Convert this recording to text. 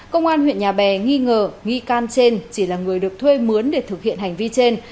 công an huyện nhà bè nghi ngờ nghi can trên chỉ là người được thuê mướn để thực hiện hành vi trên